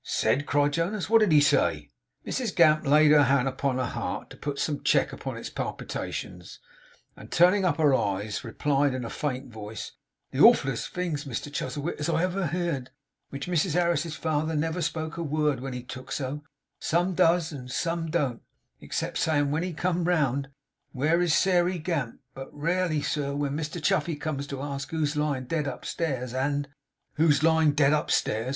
'Said!' cried Jonas. 'What did he say?' Mrs Gamp laid her hand upon her heart, to put some check upon its palpitations, and turning up her eyes replied in a faint voice: 'The awfulest things, Mr Chuzzlewit, as ever I heerd! Which Mrs Harris's father never spoke a word when took so, some does and some don't, except sayin' when he come round, "Where is Sairey Gamp?" But raly, sir, when Mr Chuffey comes to ask who's lyin' dead upstairs, and ' 'Who's lying dead upstairs!